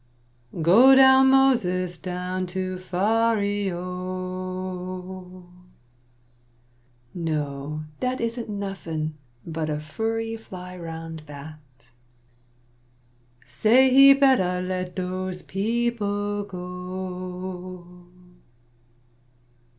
(Go down, Moses down to Phar e oh,) No dat isn't nuffin but a furry fly round bat; (Say, he'd betta let dose people go.)